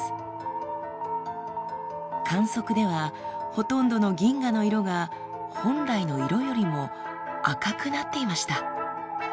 観測ではほとんどの銀河の色が本来の色よりも赤くなっていました。